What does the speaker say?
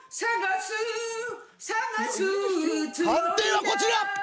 判定はこちら！